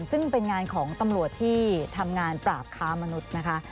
ซึ่งเป็นงานของตำรวจที่ทำงานปราบค้ามนุษย์นะคะ